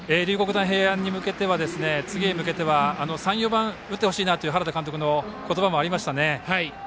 大平安、次に向けては３、４番打ってほしいなという原田監督の言葉もありましたね。